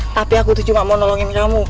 tapi aku tuh cuma mau nolongin kamu